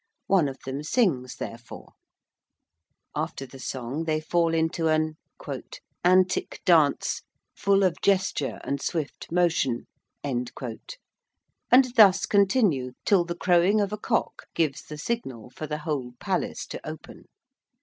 One of them sings therefore. After the song they fall into an 'antick dance full of gesture and swift motion' and thus continue till the crowing of a cock gives the signal for the whole palace to open.